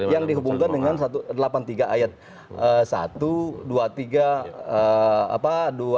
yang dihubungkan dengan delapan puluh tiga ayat satu dua tiga apa dua ribu empat belas